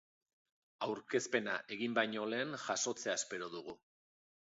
Aurkezpena egin baino lehen jasotzea espero dugu.